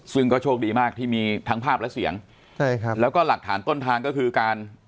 ซึ่งก็โชคดีมากที่มีทั้งภาพและเสียงใช่ครับแล้วก็หลักฐานต้นทางก็คือการ